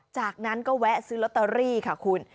จากนั้นก็แวะซื้อลอตเตอรี่ค่ะคุณ